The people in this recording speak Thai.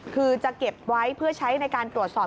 คือจะเก็บไว้เพื่อใช้ในการตรวจสอบ